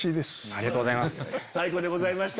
ありがとうございます。